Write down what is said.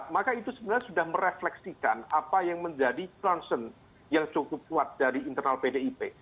maka itu sebenarnya sudah merefleksikan apa yang menjadi concern yang cukup kuat dari internal pdip